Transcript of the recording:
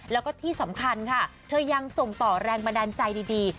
แล้วก็ที่สำคัญค่ะเธอยังส่งต่อแรงบันดาลใจดี